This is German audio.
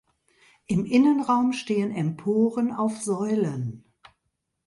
Im Innenraum stehen Emporen auf Säulen.